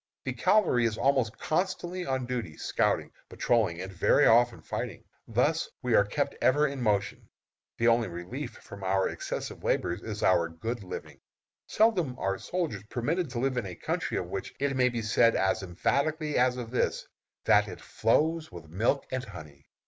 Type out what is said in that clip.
The cavalry is almost constantly on duty, scouting, patrolling, and very often fighting. Thus we are kept ever in motion. The only relief for our excessive labors is our good living. Seldom are soldiers permitted to live in a country of which it may be said as emphatically as of this, that it "flows with milk and honey."